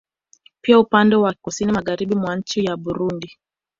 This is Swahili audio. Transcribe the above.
Pia upande wa kusini Magharibi mwa nchi ya Burundi